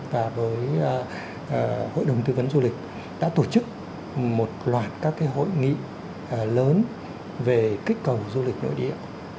và với hội đồng tư vấn du lịch đã tổ chức một loạt các hội nghị lớn về kích cầu du lịch nội địa